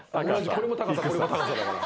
これも高さこれも高さだから。